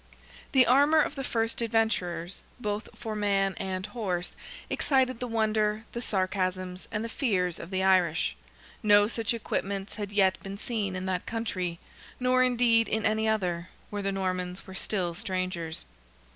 The armour of the first adventurers, both for man and horse, excited the wonder, the sarcasms, and the fears of the Irish. No such equipments had yet been seen in that country, nor indeed in any other, where the Normans were still strangers.